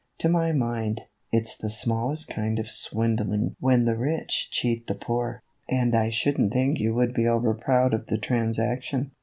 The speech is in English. To my mind, it 's the smallest kind of swindling when the rich cheat the poor, and I should n't think you would be overproud of the transaction."